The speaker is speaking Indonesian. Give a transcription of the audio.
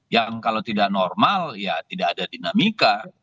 yang kalau tidak normal ya tidak ada dinamika